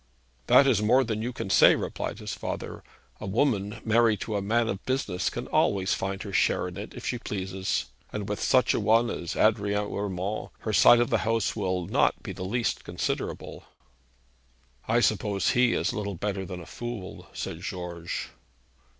'That is more than you can say,' replied his father. 'A woman married to a man of business can always find her share in it if she pleases. And with such a one as Adrian Urmand her side of the house will not be the least considerable.' 'I suppose he is little better than a fool,' said George.